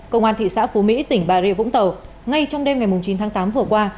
công an thị xã phú mỹ tỉnh bà rịa vũng tàu ngay trong đêm ngày chín tháng tám vừa qua